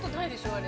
あれ。